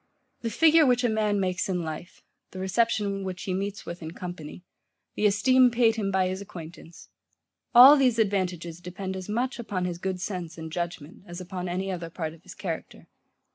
The figure which a man makes in life, the reception which he meets with in company, the esteem paid him by his acquaintance; all these advantages depend as much upon his good sense and judgement, as upon any other part of his character.